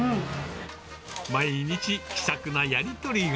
毎日、気さくなやり取りが。